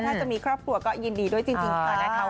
ถ้าจะมีครอบครัวก็ยินดีด้วยจริงค่ะนะคะ